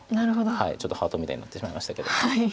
ちょっとハートみたいになってしまいましたけど。